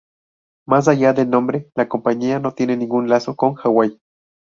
Más allá del nombre, la compañía no tiene ningún lazo con Hawaii.